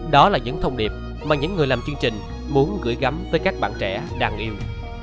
đó là những thông điệp mà những người làm chương trình muốn gửi gắm tới các bạn trẻ đang yêu